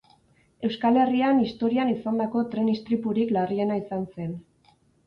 Euskal Herrian historian izandako tren istripurik larriena izan zen.